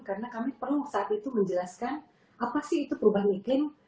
karena kami perlu saat itu menjelaskan apa sih itu perubahan iklim